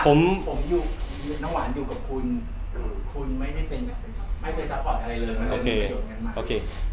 อักมาว่าผมอยู่น้องหวานอยู่กับคุณคุณไม่ได้ซัพพอร์ตอะไรเลยไม่ได้มีประโยชน์อย่างนั้นไหม